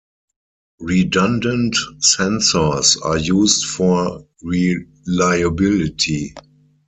Redundant sensors are used for reliability.